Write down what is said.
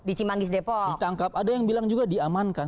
ditangkap ada yang bilang juga diamankan